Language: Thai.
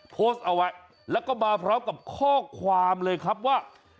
โพสต์เอาไว้แล้วก็มาพร้อมกับข้อความเลยครับว่า